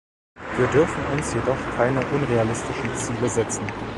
Wir dürfen uns jedoch keine unrealistischen Ziele setzen.